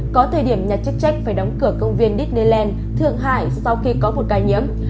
có thời điểm nhà chức trách phải đóng cửa công viên ditnel thượng hải sau khi có một ca nhiễm